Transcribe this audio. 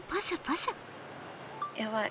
ヤバい！